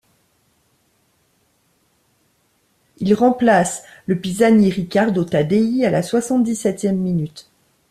Il remplace le pisani Riccardo Taddei à la soixante-dix-septième minute.